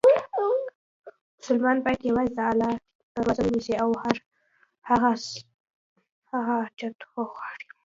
مسلمان باید یووازې د الله دروازه ونیسي، او له هغه هر حاجت وغواړي.